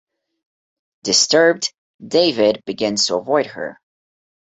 Disturbed, David begins to avoid her.